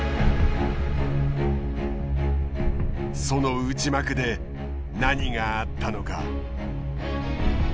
その内幕で何があったのか。